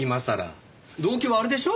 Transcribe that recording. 動機はあれでしょ。